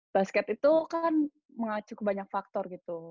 basket itu kan mengacu ke banyak faktor gitu